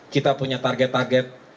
kita punya target target